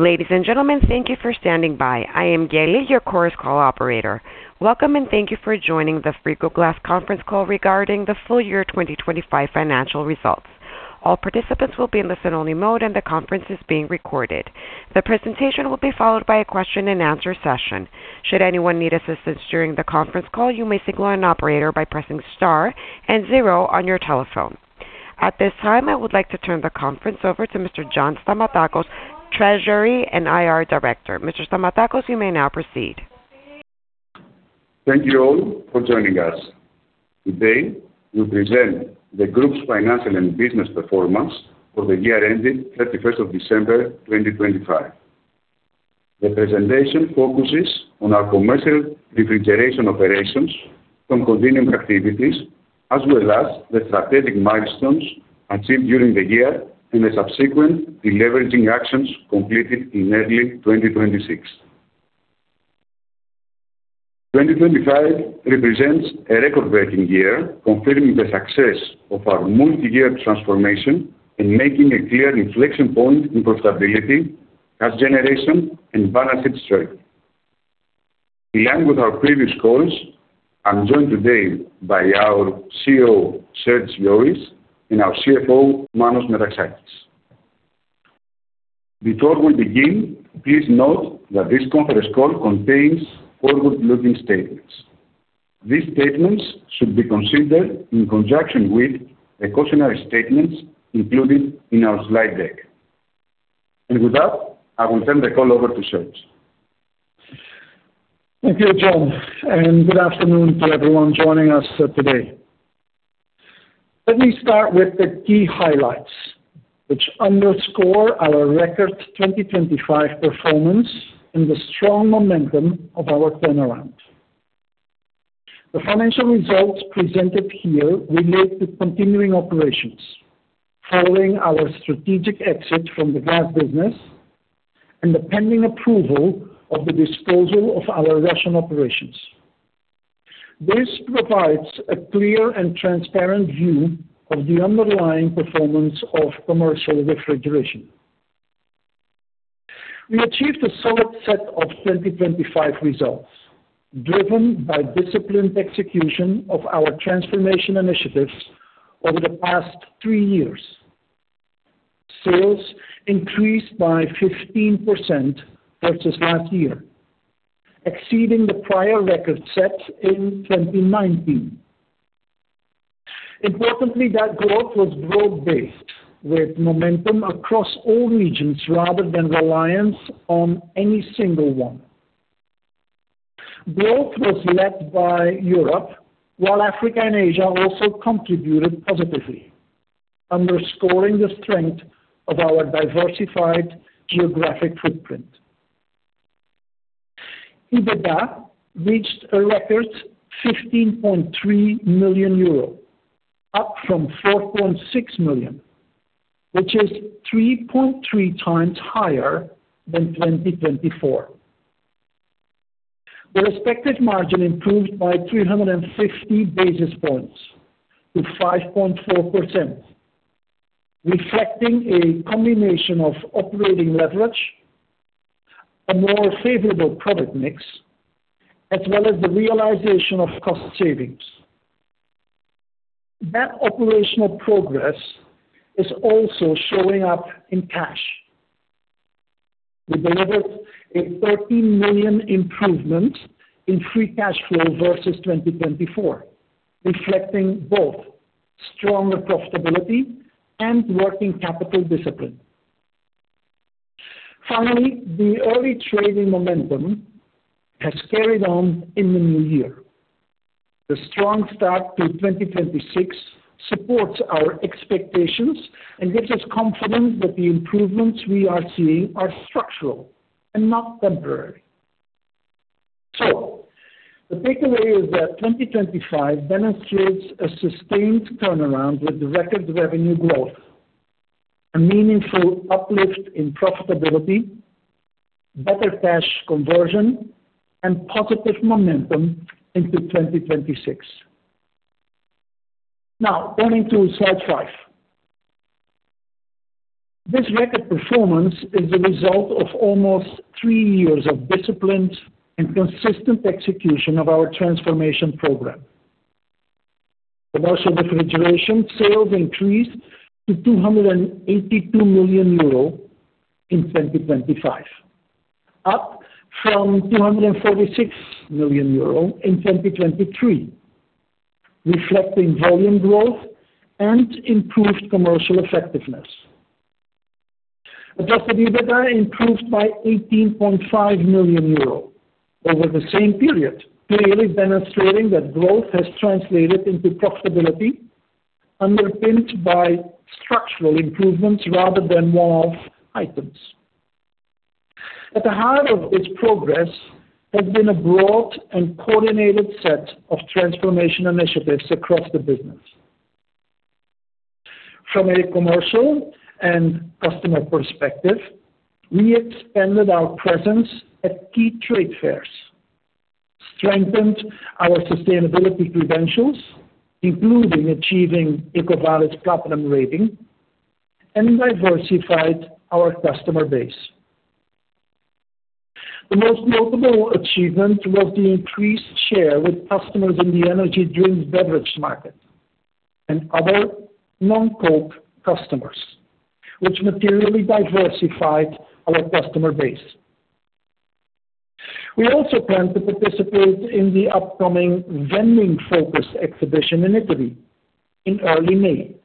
Ladies and gentlemen, thank you for standing by. I am Geli, your Chorus Call operator. Welcome, and thank you for joining the Frigoglass conference call regarding the full year 2025 financial results. All participants will be in listen-only mode, and the conference is being recorded. The presentation will be followed by a question and answer session. Should anyone need assistance during the conference call, you may signal an operator by pressing star and zero on your telephone. At this time, I would like to turn the conference over to Mr. John Stamatakos, Treasury and IR Director. Mr. Stamatakos, you may now proceed. Thank you all for joining us. Today, we present the group's financial and business performance for the year ending 31st of December 2025. The presentation focuses on our commercial refrigeration operations from continuing activities, as well as the strategic milestones achieved during the year and the subsequent deleveraging actions completed in early 2026. 2025 represents a record-breaking year, confirming the success of our multi-year transformation and making a clear inflection point in profitability, cash generation, and balance sheet strength. In line with our previous calls, I'm joined today by our CEO, Serge Joris, and our CFO, Manos Metaxakis. Before we begin, please note that this conference call contains forward-looking statements. These statements should be considered in conjunction with the cautionary statements included in our slide deck. With that, I will turn the call over to Serge. Thank you, John, good afternoon to everyone joining us today. Let me start with the key highlights, which underscore our record 2025 performance and the strong momentum of our turnaround. The financial results presented here relate to continuing operations following our strategic exit from the glass business and the pending approval of the disposal of our Russian operations. This provides a clear and transparent view of the underlying performance of commercial refrigeration. We achieved a solid set of 2025 results, driven by disciplined execution of our transformation initiatives over the past three years. Sales increased by 15% versus last year, exceeding the prior record set in 2019. Importantly, that growth was broad-based, with momentum across all regions rather than reliance on any single one. Growth was led by Europe, while Africa and Asia also contributed positively, underscoring the strength of our diversified geographic footprint. EBITDA reached a record 15.3 million euro, up from 4.6 million, which is 3.3 times higher than 2024. The respective margin improved by 350 basis points to 5.4%, reflecting a combination of operating leverage, a more favorable product mix, as well as the realization of cost savings. That operational progress is also showing up in cash. We delivered a 30 million improvement in free cash flow versus 2024, reflecting both stronger profitability and working capital discipline. The early trading momentum has carried on in the new year. The strong start to 2026 supports our expectations and gives us confidence that the improvements we are seeing are structural and not temporary. The takeaway is that 2025 demonstrates a sustained turnaround with record revenue growth, a meaningful uplift in profitability, better cash conversion, and positive momentum into 2026. Turning to slide five. This record performance is a result of almost three years of disciplined and consistent execution of our transformation program. Commercial refrigeration sales increased to 282 million euro in 2025, up from 246 million euro in 2023, reflecting volume growth and improved commercial effectiveness. Adjusted EBITDA improved by 18.5 million euros over the same period, clearly demonstrating that growth has translated into profitability underpinned by structural improvements rather than one-off items. At the heart of this progress has been a broad and coordinated set of transformation initiatives across the business. From a commercial and customer perspective, we expanded our presence at key trade fairs. Strengthened our sustainability credentials, including achieving Platinum rating and diversified our customer base. The most notable achievement was the increased share with customers in the energy drinks beverage market and other non-coke customers, which materially diversified our customer base. We also plan to participate in the upcoming vending-focused exhibition in Italy in early May,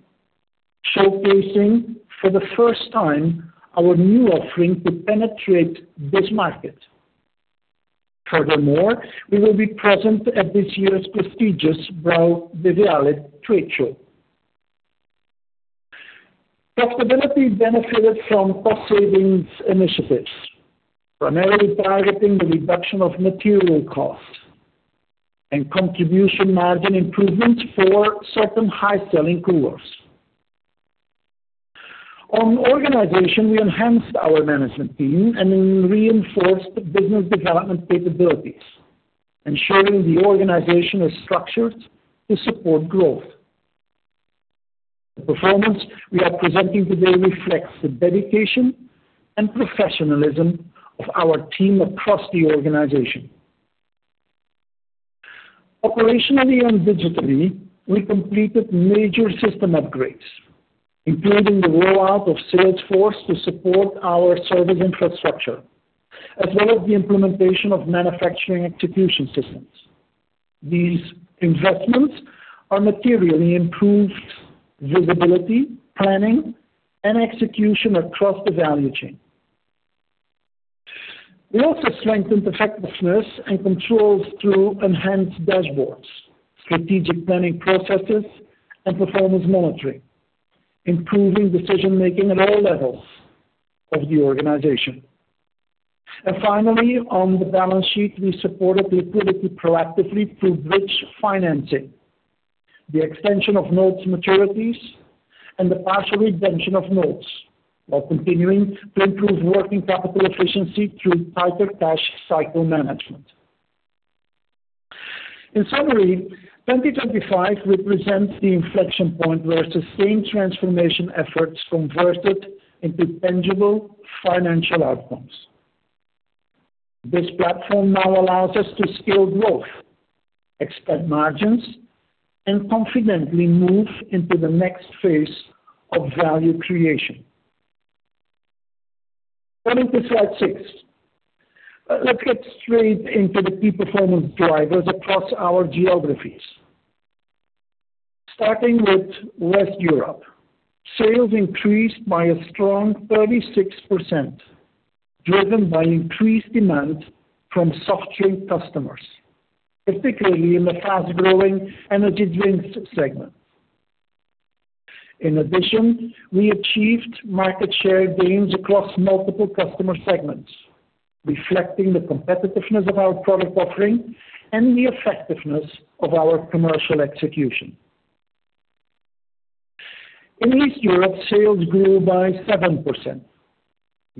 showcasing for the first time our new offering to penetrate this market. We will be present at this year's prestigious BrauBeviale trade show. Profitability benefited from cost savings initiatives, primarily targeting the reduction of material costs and contribution margin improvements for certain high selling coolers. On organization, we enhanced our management team and reinforced business development capabilities, ensuring the organization is structured to support growth. The performance we are presenting today reflects the dedication and professionalism of our team across the organization. Operationally and digitally, we completed major system upgrades, including the rollout of Salesforce to support our service infrastructure, as well as the implementation of manufacturing execution systems. These investments are materially improved visibility, planning, and execution across the value chain. We also strengthened effectiveness and controls through enhanced dashboards, strategic planning processes, and performance monitoring, improving decision-making at all levels of the organization. Finally, on the balance sheet, we supported liquidity proactively through bridge financing, the extension of notes maturities, and the partial redemption of notes, while continuing to improve working capital efficiency through tighter cash cycle management. In summary, 2025 represents the inflection point where sustained transformation efforts converted into tangible financial outcomes. This platform now allows us to scale growth, expand margins, and confidently move into the next phase of value creation. Going to slide six. Let's get straight into the key performance drivers across our geographies. Starting with West Europe, sales increased by a strong 36%, driven by increased demand from soft drink customers, particularly in the fast-growing energy drinks segment. In addition, we achieved market share gains across multiple customer segments, reflecting the competitiveness of our product offering and the effectiveness of our commercial execution. In East Europe, sales grew by 7%.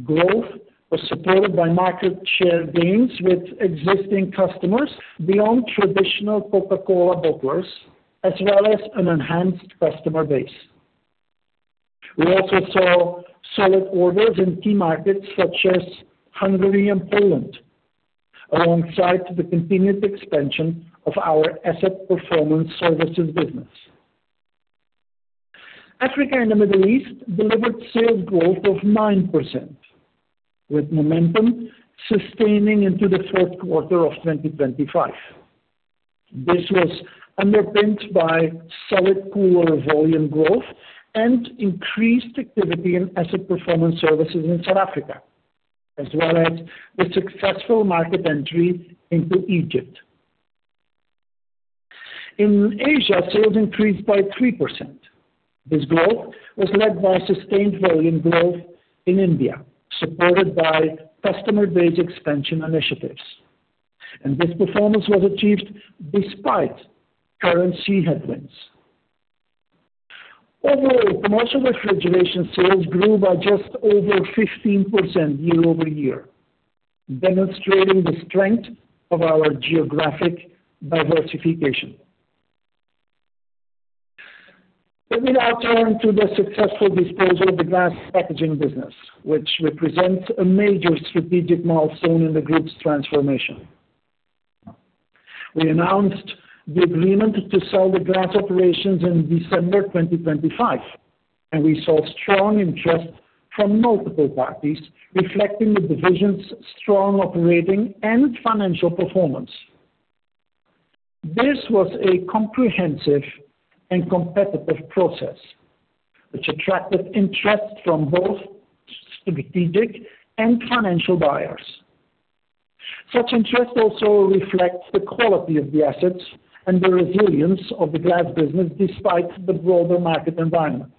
Growth was supported by market share gains with existing customers beyond traditional Coca-Cola bottlers, as well as an enhanced customer base. We also saw solid orders in key markets such as Hungary and Poland, alongside the continued expansion of our Asset Performance Services business. Africa and the Middle East delivered sales growth of 9%, with momentum sustaining into the fourth quarter of 2025. This was underpinned by solid cooler volume growth and increased activity in Asset Performance Services in South Africa, as well as the successful market entry into Egypt. In Asia, sales increased by 3%. This growth was led by sustained volume growth in India, supported by customer base expansion initiatives. This performance was achieved despite currency headwinds. Overall, commercial refrigeration sales grew by just over 15% year-over-year, demonstrating the strength of our geographic diversification. Let me now turn to the successful disposal of the glass packaging business, which represents a major strategic milestone in the group's transformation. We announced the agreement to sell the glass operations in December 2025, we saw strong interest from multiple parties, reflecting the division's strong operating and financial performance. This was a comprehensive and competitive process which attracted interest from both strategic and financial buyers. Such interest also reflects the quality of the assets and the resilience of the glass business despite the broader market environment.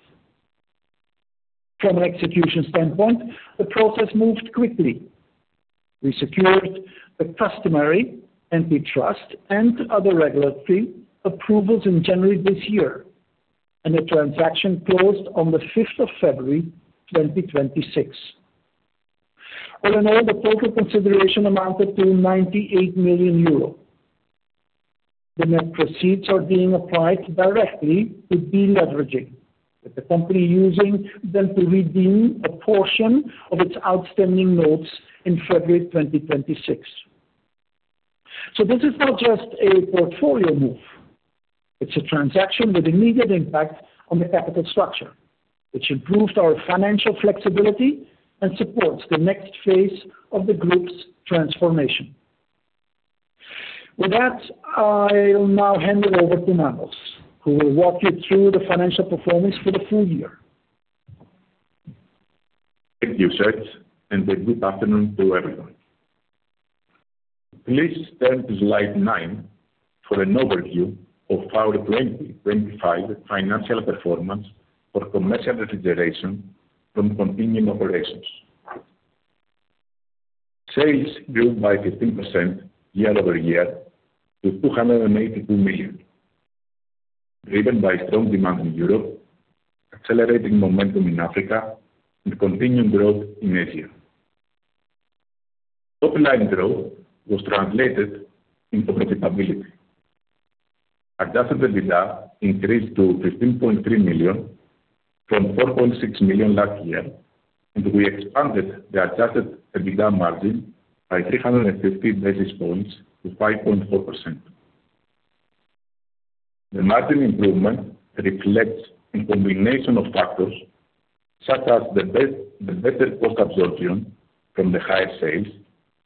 From an execution standpoint, the process moved quickly. We secured the customary antitrust and other regulatory approvals in January this year, and the transaction closed on the fifth of February 2026. All in all, the total consideration amounted to 98 million euro. The net proceeds are being applied directly to deleveraging, with the company using them to redeem a portion of its outstanding notes in February 2026. This is not just a portfolio move. It's a transaction with immediate impact on the capital structure, which improves our financial flexibility and supports the next phase of the group's transformation. With that, I'll now hand it over to Manos, who will walk you through the financial performance for the full year. Thank you, Serge, and a good afternoon to everyone. Please turn to slide nine for an overview of our 2025 financial performance for commercial refrigeration from continuing operations. Sales grew by 15% year-over-year to 282 million, driven by strong demand in Europe, accelerating momentum in Africa, and continuing growth in Asia. Topline growth was translated into profitability. Adjusted EBITDA increased to 15.3 million from 4.6 million last year, and we expanded the Adjusted EBITDA margin by 350 basis points to 5.4%. The margin improvement reflects a combination of factors such as the better cost absorption from the higher sales,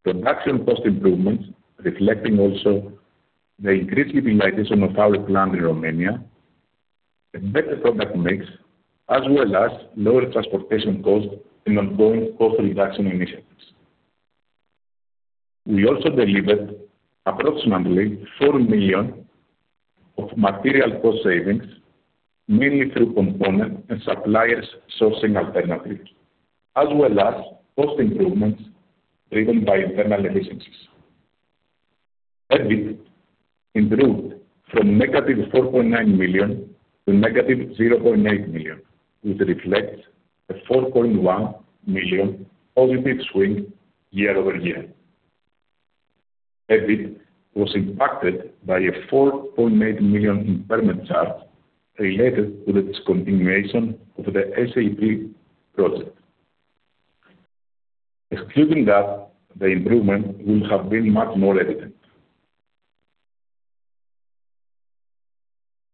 production cost improvements, reflecting also the increased utilization of our plant in Romania, a better product mix, as well as lower transportation costs and ongoing cost reduction initiatives. We also delivered approximately 4 million of material cost savings, mainly through component and suppliers sourcing alternatives, as well as cost improvements driven by internal efficiencies. EBIT improved from negative 4.9 million to negative 0.8 million, which reflects a 4.1 million positive swing year-over-year. EBIT was impacted by a 4.8 million impairment charge related to the discontinuation of the SAP project. Excluding that, the improvement would have been much more evident.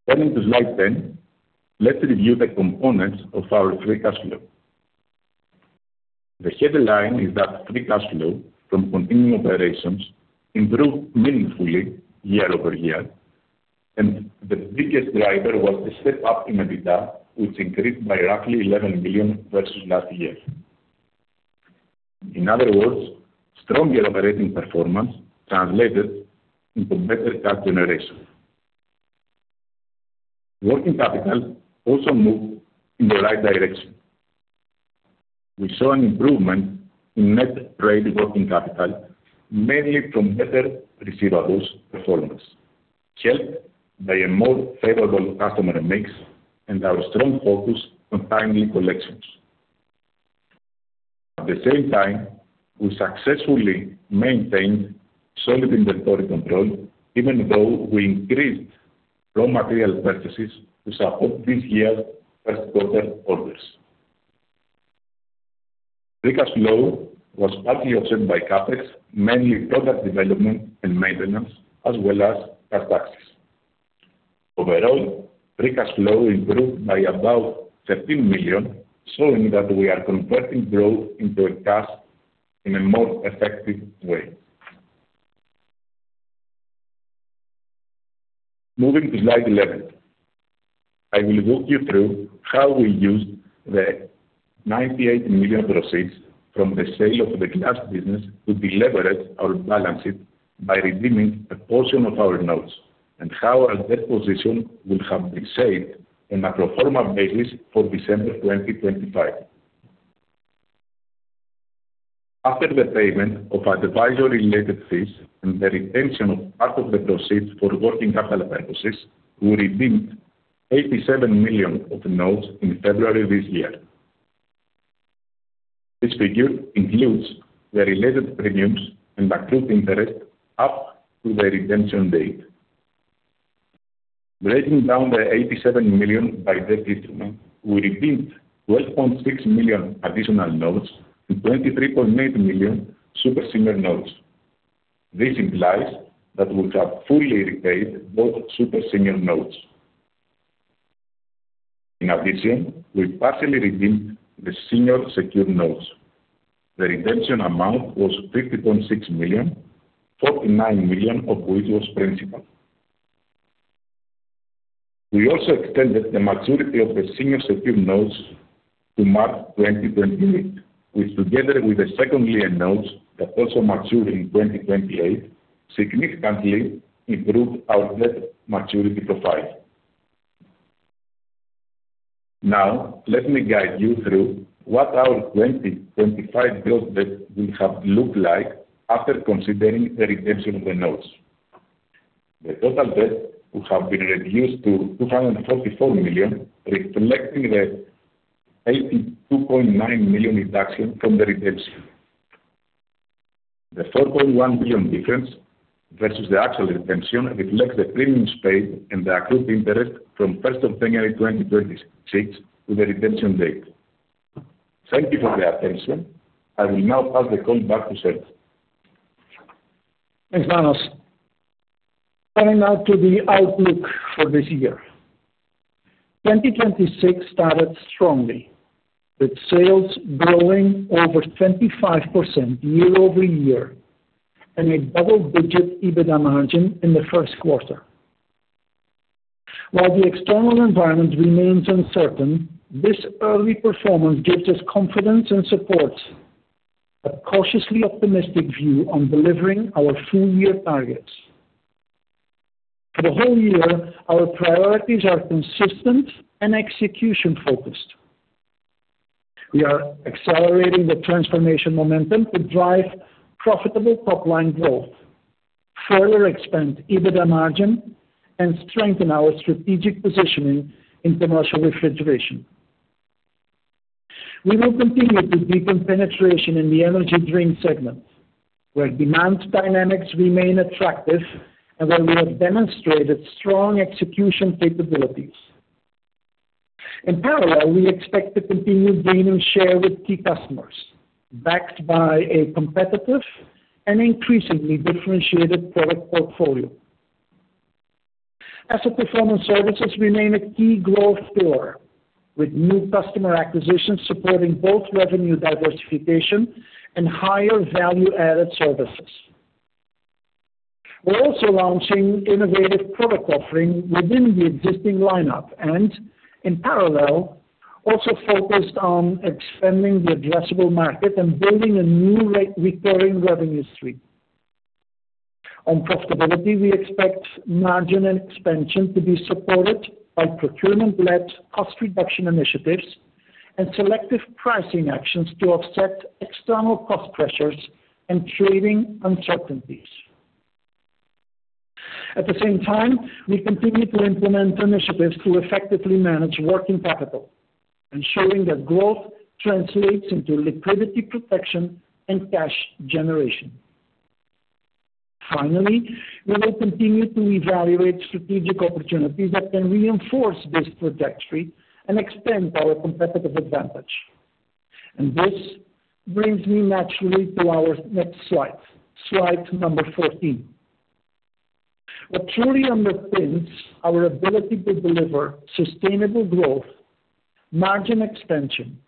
Turning to slide 10, let's review the components of our free cash flow. The headline is that free cash flow from continuing operations improved meaningfully year-over-year, and the biggest driver was the step up in EBITDA, which increased by roughly 11 million versus last year. In other words, stronger operating performance translated into better cash generation. Working capital also moved in the right direction. We saw an improvement in net trade working capital, mainly from better receivables performance, helped by a more favorable customer mix and our strong focus on timely collections. At the same time, we successfully maintained solid inventory control, even though we increased raw material purchases to support this year's first quarter orders. Free cash flow was partly offset by CapEx, mainly product development and maintenance, as well as cash taxes. Overall, free cash flow improved by about 13 million, showing that we are converting growth into a cash in a more effective way. Moving to slide 11, I will walk you through how we used the 98 million proceeds from the sale of the glass business to deleverage our balance sheet by redeeming a portion of our notes, and how our debt position would have been saved on a pro forma basis for December 2025. After the payment of advisory related fees and the retention of part of the proceeds for working capital purposes, we redeemed 87 million of notes in February this year. This figure includes the related premiums and accrued interest up to the redemption date. Breaking down the 87 million by debt instrument, we redeemed 12.6 million additional notes and 23.8 million super senior notes. This implies that we have fully repaid both super senior notes. In addition, we partially redeemed the senior secured notes. The redemption amount was 50.6 million, 49 million of which was principal. We also extended the maturity of the senior secured notes to March 2028, which together with the second lien notes that also mature in 2028, significantly improved our debt maturity profile. Let me guide you through what our 2025 gross debt would have looked like after considering the redemption of the notes. The total debt would have been reduced to 244 million, reflecting the 82.9 million reduction from the redemption. The 4.1 million difference versus the actual redemption reflects the premiums paid and the accrued interest from 1st of January 2026 to the redemption date. Thank you for the attention. I will now pass the call back to Serge. Thanks, Manos. Turning now to the outlook for this year. 2026 started strongly, with sales growing over 25% year-over-year and a double-digit EBITDA margin in the first quarter. While the external environment remains uncertain, this early performance gives us confidence and supports a cautiously optimistic view on delivering our full-year targets. For the whole year, our priorities are consistent and execution-focused. We are accelerating the transformation momentum to drive profitable top-line growth, further expand EBITDA margin, and strengthen our strategic positioning in commercial refrigeration. We will continue to deepen penetration in the energy drink segment, where demand dynamics remain attractive and where we have demonstrated strong execution capabilities. In parallel, we expect to continue gaining share with key customers, backed by a competitive and increasingly differentiated product portfolio. Asset Performance Services remain a key growth pillar, with new customer acquisitions supporting both revenue diversification and higher value-added services. We're also launching innovative product offering within the existing lineup and, in parallel, also focused on expanding the addressable market and building a new re-recurring revenue stream. On profitability, we expect margin and expansion to be supported by procurement-led cost reduction initiatives and selective pricing actions to offset external cost pressures and trading uncertainties. At the same time, we continue to implement initiatives to effectively manage working capital, ensuring that growth translates into liquidity protection and cash generation. Finally, we will continue to evaluate strategic opportunities that can reinforce this trajectory and expand our competitive advantage. This brings me naturally to our next slide number 14. What truly underpins our ability to deliver sustainable growth, margin expansion,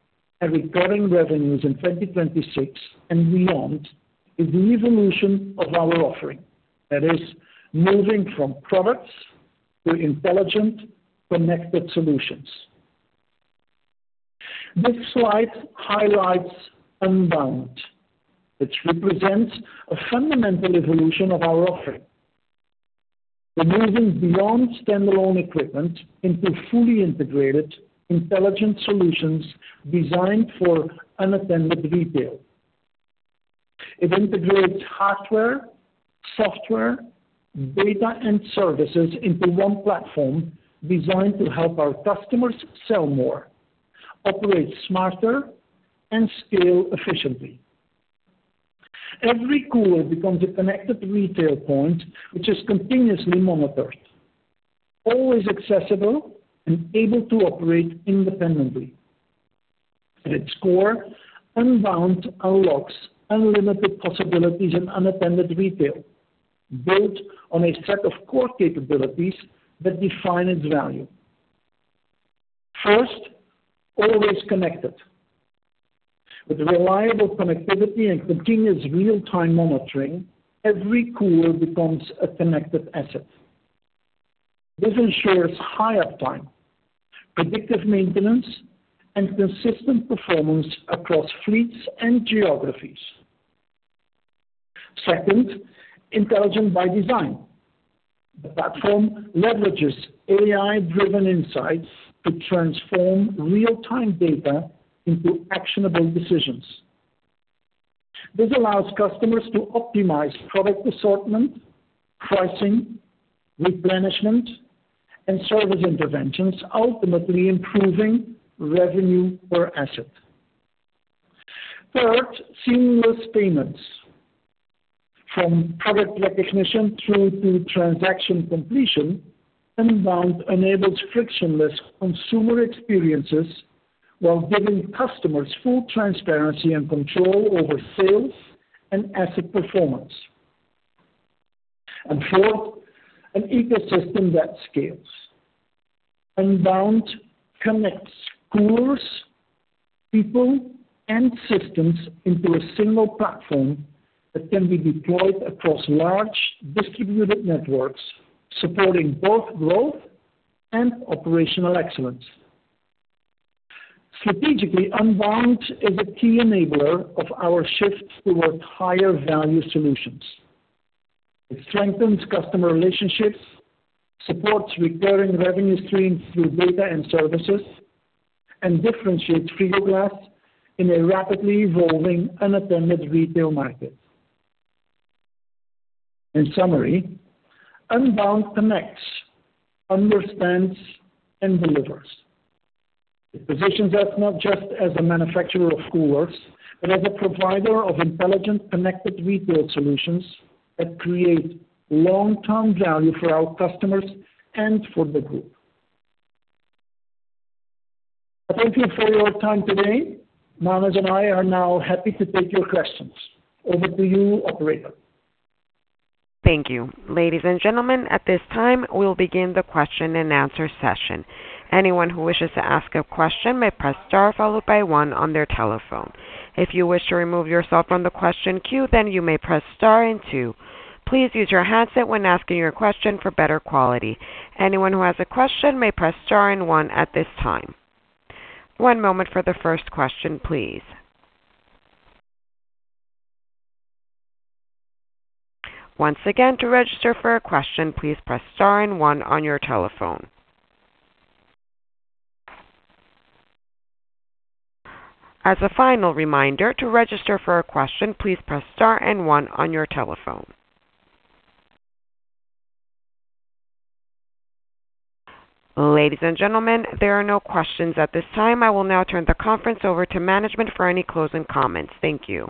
and recurring revenues in 2026 and beyond is the evolution of our offering. That is moving from products to intelligent, connected solutions. This slide highlights Unbound, which represents a fundamental evolution of our offering. We're moving beyond standalone equipment into fully integrated, intelligent solutions designed for unattended retail. It integrates hardware, software, data, and services into one platform designed to help our customers sell more, operate smarter, and scale efficiently. Every cooler becomes a connected retail point, which is continuously monitored, always accessible, and able to operate independently. At its core, Unbound unlocks unlimited possibilities in unattended retail, built on a set of core capabilities that define its value. First, always connected. With reliable connectivity and continuous real-time monitoring, every cooler becomes a connected asset. This ensures higher uptime, predictive maintenance, and consistent performance across fleets and geographies. Second, intelligent by design. The platform leverages AI-driven insights to transform real-time data into actionable decisions. This allows customers to optimize product assortment, pricing, replenishment, and service interventions, ultimately improving revenue per asset. Third, seamless payments. From product recognition through to transaction completion, Unbound enables frictionless consumer experiences while giving customers full transparency and control over sales and asset performance. Fourth, an ecosystem that scales. Unbound connects coolers, people, and systems into a single platform that can be deployed across large distributed networks, supporting both growth and operational excellence. Strategically, Unbound is a key enabler of our shift toward higher-value solutions. It strengthens customer relationships supports recurring revenue streams through data and services and differentiates Frigoglass in a rapidly evolving unattended retail market. In summary, Unbound connects, understands, and delivers. It positions us not just as a manufacturer of coolers, but as a provider of intelligent connected retail solutions that create long-term value for our customers and for the group. Thank you for your time today. Manos and I are now happy to take your questions. Over to you, operator. Thank you. Ladies and gentlemen, at this time, we'll begin the question-and-answer session. Anyone who wishes to ask a question may press star followed by one on their telephone. If you wish to remove yourself from the question queue, then you may press star and two. Please use your handset when asking your question for better quality. Anyone who has a question may press star and one at this time. One moment for the first question, please. Once again, to register for a question, please press star and one on your telephone. As a final reminder, to register for a question, please press star and one on your telephone. Ladies and gentlemen, there are no questions at this time. I will now turn the conference over to management for any closing comments. Thank you.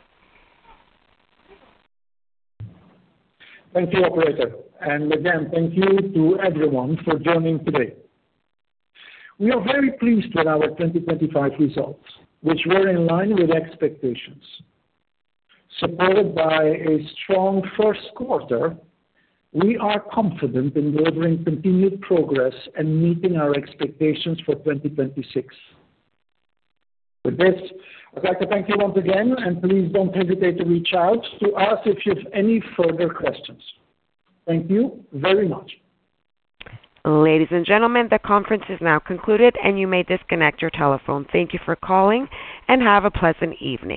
Thank you, operator. Again, thank you to everyone for joining today. We are very pleased with our 2025 results, which were in line with expectations. Supported by a strong first quarter, we are confident in delivering continued progress and meeting our expectations for 2026. With this, I'd like to thank you once again, and please don't hesitate to reach out to us if you have any further questions. Thank you very much. Ladies and gentlemen, the conference is now concluded, and you may disconnect your telephone. Thank you for calling, and have a pleasant evening.